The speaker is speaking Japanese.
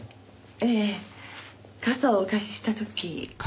ええ傘をお貸しした時。